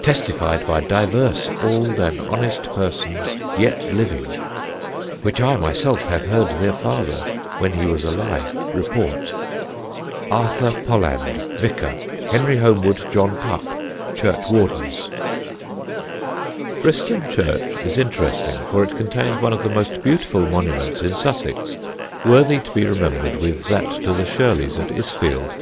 "Testified by diverse oulde and honest persons yet living; which I myself have heard their father, when he was alive, report. "Arthur Polland, Vicar; Henry Homewood, John Pupp, Churchwardens." [Sidenote: THE SELWYN MONUMENT] [Sidenote: FRISTON PLACE] Friston church is interesting, for it contains one of the most beautiful monuments in Sussex, worthy to be remembered with that to the Shurleys at Isfield.